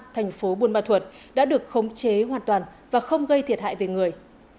thành phố buôn ma thuật đã được khống chế hoàn toàn và không gây thiệt hại về người